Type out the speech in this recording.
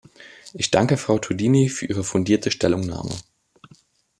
Ich danke Frau Todini für ihre fundierte Stellungnahme.